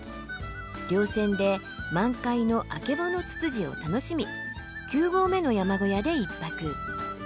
稜線で満開のアケボノツツジを楽しみ９合目の山小屋で１泊。